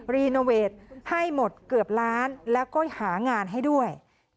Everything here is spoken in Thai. รีโนเวทให้หมดเกือบล้านแล้วก็หางานให้ด้วย